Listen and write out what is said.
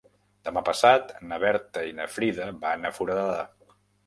Demà passat na Berta i na Frida van a Foradada.